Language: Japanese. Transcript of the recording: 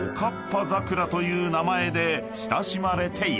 ［という名前で親しまれている］